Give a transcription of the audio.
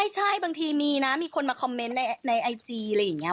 ใช่บางทีมีนะมีคนมาคอมเมนต์ในไอจีอะไรอย่างนี้